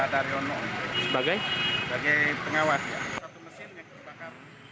satu mesin yang terbakar